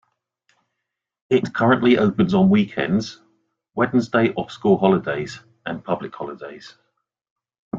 It currently opens on weekends, Wednesday of school holidays, and public holidays.